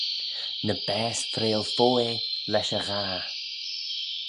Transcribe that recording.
Ny baase freayl fo eh lesh e ghah.